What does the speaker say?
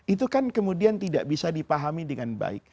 itu kan kemudian tidak bisa dipahami dengan baik